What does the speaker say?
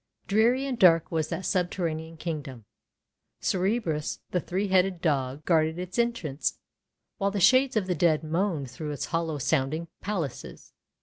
Dreary and dark was that subterranean Kingdom. Cerberus, the three headed Dog, guarded its entrance, while the Shades of the Dead moaned through its hollow sounding palaces.